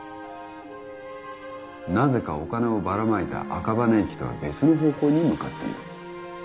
なぜかお金をばらまいた赤羽駅とは別の方向に向かっている。